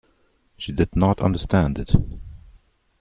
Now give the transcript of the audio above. She did not understand it.